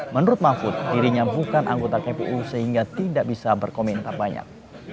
menurut mahfud dirinya bukan anggota kpu sehingga tidak bisa berkomentar banyak